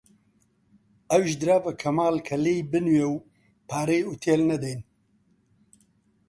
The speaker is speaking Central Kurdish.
ئەویش درا بە کەمال کە لێی بنوێ و پارەی ئوتێل نەدەین